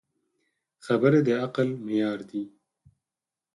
خبرې د عقل معیار دي.